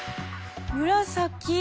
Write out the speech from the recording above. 紫。